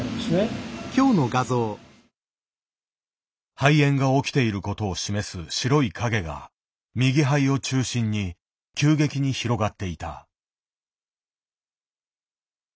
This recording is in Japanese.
肺炎が起きていることを示す白い影が右肺を中心に急激に広がっていた。